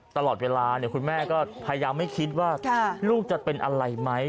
ตลอดเวลาคุณแม่ก็พยายามไม่คิดว่าลูกจะเป็นอะไรไหม